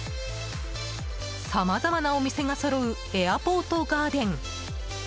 さまざまなお店がそろうエアポートガーデン。